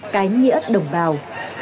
cái nghĩa đồng bào